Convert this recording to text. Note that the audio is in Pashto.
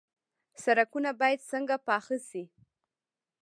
سړکونه باید څنګه پاخه شي؟